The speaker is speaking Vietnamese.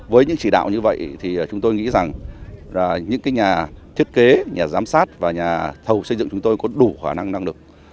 với những chỉ đạo như vậy thì chúng tôi nghĩ rằng những nhà thiết kế nhà giám sát và nhà thầu xây dựng chúng tôi có đủ khả năng năng lực